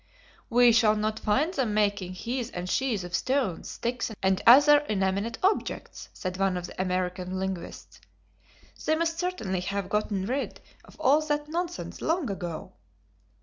"We shall not find them making he's and she's of stones, sticks and other inanimate objects," said one of the American linguists. "They must certainly have gotten rid of all that nonsense long ago."